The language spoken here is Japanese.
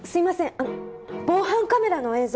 あの防犯カメラの映像